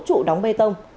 lỗ trụ đóng bê tông